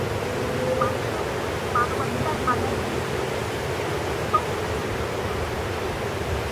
মানুষের মৌলিক মানবাধিকার আদায়ের ক্ষেত্রে এটি একটি অত্যন্ত গুরুত্বপূর্ণ দলিল।